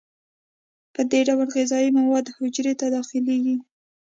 په دې ډول غذایي مواد حجرې ته داخلیږي.